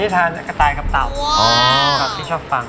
มีที่ทายกับเต่า